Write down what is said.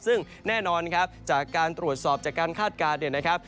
ซึ่งแน่นอนครับจากการตรวจสอบจากการคาดการณ์เนี่ยนะครับ